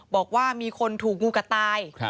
บอกว่ามีคนถูกงูกัดตาย